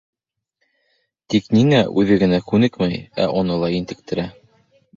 Тик ниңә үҙе генә күнекмәй, ә уны ла интектерә.